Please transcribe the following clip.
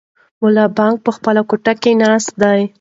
ملا بانګ په خپله کوټه کې ناست دی.